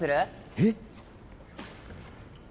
えっ！